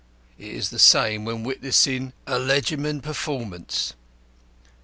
It is the same when witnessing a legerdemain performance.